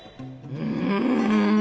うん！